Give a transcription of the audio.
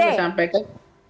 saya cuma sampaikan